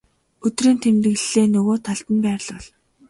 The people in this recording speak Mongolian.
өдрийн тэмдэглэлээ нөгөө талд нь байрлуул.